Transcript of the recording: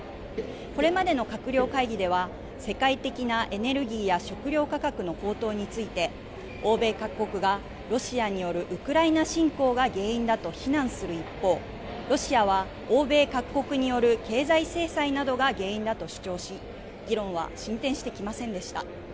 これまでの閣僚会議では世界的なエネルギーや食料価格の高騰について欧米各国がロシアによるウクライナ侵攻が原因だと非難する一方、ロシアは欧米各国による経済制裁などが原因だと主張し議論は進展してきませんでした。